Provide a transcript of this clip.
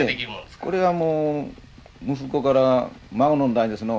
これはもう息子から孫の代ですのう。